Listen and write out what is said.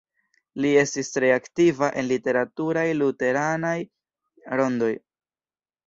Li estis tre aktiva en literaturaj luteranaj rondoj.